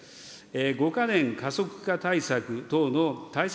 ５か年加速化対策等の対策